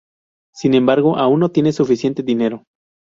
Sin embargo, aún no tiene suficiente dinero.